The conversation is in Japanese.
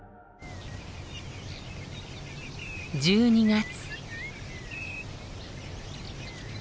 １２月。